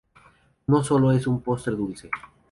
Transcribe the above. No solo es un postre dulce.